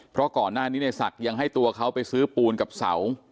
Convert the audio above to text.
เพราะก่อนหน้านี้ในศักดิ์ยังให้ตัวเขาไปซื้อปูนกับเสา